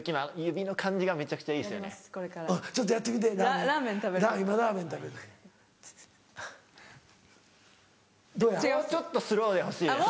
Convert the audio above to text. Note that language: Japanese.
もうちょっとスローで欲しいです。